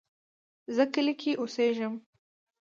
زه کلی کې اوسیږم